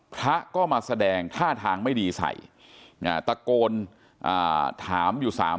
พระก็มาแสดงท่าทางไม่ดีใส่ตะโกนถามอยู่สาม